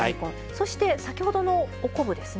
そして先ほどのお昆布ですね。